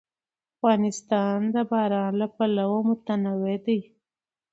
افغانستان د باران له پلوه متنوع دی.